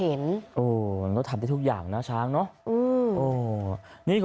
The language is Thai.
โอ้มันต้องทำได้ทุกอย่างนะช้างเนาะอื้อ